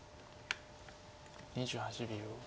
２８秒。